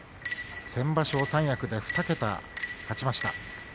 先場所、三役で２桁勝ちました。